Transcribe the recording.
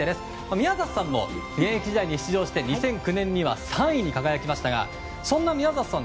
宮里さんも現役時代に出場して２００９年には３位に輝きましたがそんな宮里さん